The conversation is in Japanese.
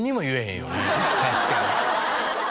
確かに。